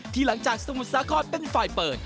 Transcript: หลังจากสมุทรสาครเป็นฝ่ายเปิด